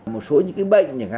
một số những cái bệnh